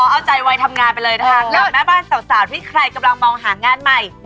เอาใจวัยทำงานไปเลยนะคะกับแม่บ้านสาวที่ใครกำลังมองหางานใหม่